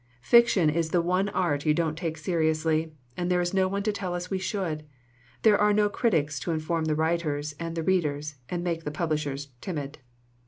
Fiction is the one art you don't take seriously, and there is no one to tell us we should; there are no critics to inform the writers and the readers and make the publishers timid.